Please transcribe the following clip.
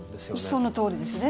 そのとおりですね。